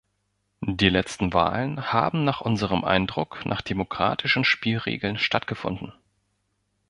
Die letzten Wahlen haben nach unserem Eindruck nach demokratischen Spielregeln stattgefunden.